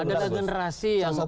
ada generasi yang mau